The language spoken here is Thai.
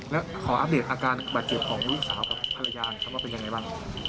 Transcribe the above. แล้วขออัปเดตอาการบาดเจ็บของลูกสาวกับภรรยาหน่อยครับว่าเป็นยังไงบ้าง